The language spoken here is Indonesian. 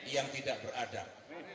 yang tidak beradab